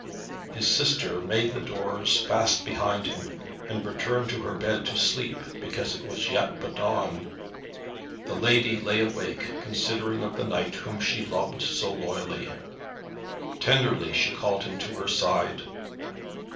His sister made the doors fast behind him, and returned to her bed to sleep, because it was yet but dawn. The lady lay awake, considering of the knight whom she loved so loyally. Tenderly she called him to her side.